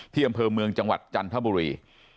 เที่ยมเพิ่มเมืองจังหวัดจันทบุรี